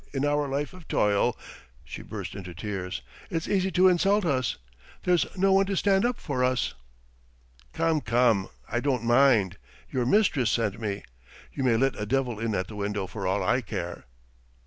. in our life of toil" she burst into tears. "It's easy to insult us. There's no one to stand up for us." "Come, come ... I don't mind! Your mistress sent me. You may let a devil in at the window for all I care!"